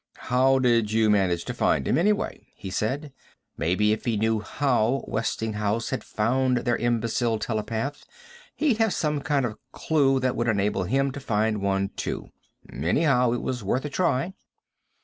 "How did you manage to find him, anyway?" he said. Maybe, if he knew how Westinghouse had found their imbecile telepath, he'd have some kind of clue that would enable him to find one, too. Anyhow, it was worth a try.